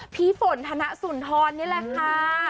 พี่ฝนธนสุนทรนี่แหละค่ะ